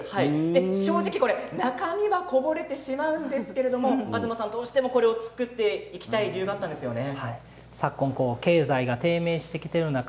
正直これ、中身はこぼれてしまうんですけれどもどうしてもこれを作っていきたい理由だったんですよね。